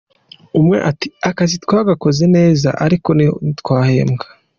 Umwe ati “ Akazi twagakoze neza, ariko ntitwahembwa.